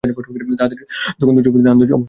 তাঁহাদের তখন তুচ্ছবস্তুতে আনন্দের অবসান ঘটে।